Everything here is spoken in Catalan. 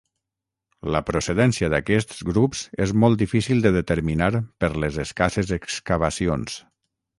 La procedència d'aquests grups és molt difícil de determinar per les escasses excavacions.